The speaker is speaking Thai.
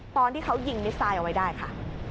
ตอนที่เขายิงมิสไซดเอาไว้ได้ค่ะ